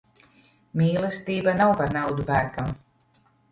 Mīlestība nav par naudu pērkama.